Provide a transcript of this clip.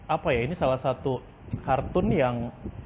apa ya ini salah satu kartun yang